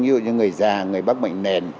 như là những người già người bác bệnh nền